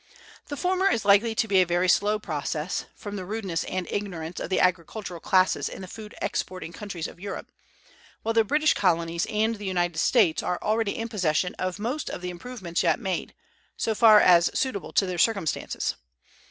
The former is likely to be a very slow process, from the rudeness and ignorance of the agricultural classes in the food exporting countries of Europe, while the British colonies and the United States are already in possession of most of the improvements yet made, so far as suitable to their circumstances.